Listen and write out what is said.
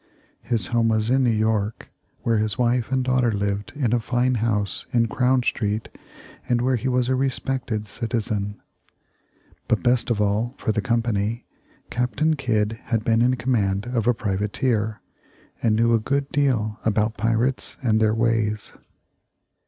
His home was in New York, where his wife and daughter lived in a fine house in Crown Street, and where he was a respected citizen. But best of all for the Company, Captain Kidd had been in command of a privateer, and knew a good deal about pirates and their ways.